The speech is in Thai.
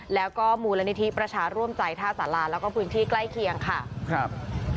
แล้วก็มูลนิธิประชาร่วมใจท่าสาราแล้วก็พื้นที่ใกล้เคียงค่ะครับ